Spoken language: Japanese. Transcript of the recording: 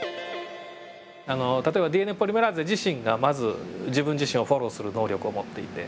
例えばＤＮＡポリメラーゼ自身がまず自分自身をフォローする能力を持っていて。